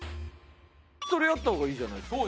それやった方がいいじゃないですか。